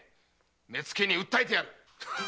目付に訴えてやる！